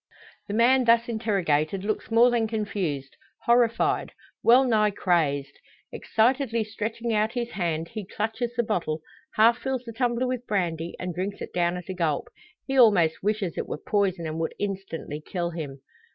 The man thus interrogated looks more than confused horrified, well nigh crazed. Excitedly stretching out his hand, he clutches the bottle, half fills the tumbler with brandy, and drinks it down at a gulp. He almost wishes it were poison, and would instantly kill him!